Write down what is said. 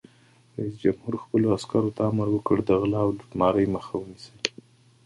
رئیس جمهور خپلو عسکرو ته امر وکړ؛ د غلا او لوټمارۍ مخه ونیسئ!